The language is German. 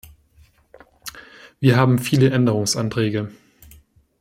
Wir haben viele Änderungsanträge.